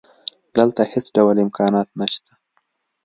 دلته هېڅ ډول امکانات نشته